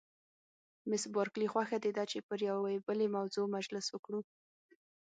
مس بارکلي: خوښه دې ده چې پر یوې بلې موضوع مجلس وکړو؟